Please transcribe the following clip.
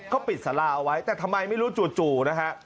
ก็ปิดสาราเอาไว้แต่ทำไมไม่รู้จู่นะฮะ